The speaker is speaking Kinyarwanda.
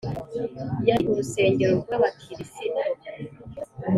yari urusengero rwa bakirisitu